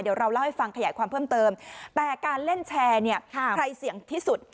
เดี๋ยวเราเล่าให้ฟังขยายความเพิ่มเติมแต่การเล่นแชร์เนี่ยใครเสี่ยงที่สุด